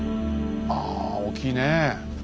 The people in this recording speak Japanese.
ああ大きいねえ。